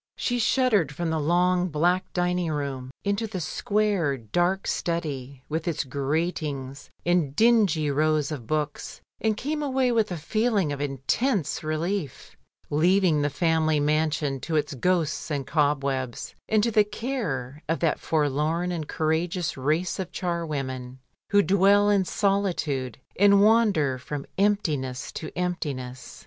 She shuddered from the long, black dining room, into the square, dark study, with its gratings and dingy rows of books, and came away with a feeling of intense relief, leaving the family mansion to its ghosts and cobwebs, and to the care of that forlorn and courageous race of charwomen who dwell in solitude and wander from emptiness to emptiness.